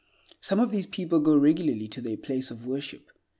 Some of these people go regularly to their place of worship.